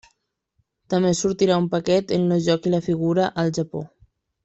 També sortirà un paquet amb el joc i la figura al Japó.